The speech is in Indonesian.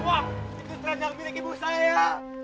wah itu selendang milik ibu saya